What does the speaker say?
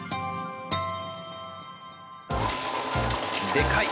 でかい！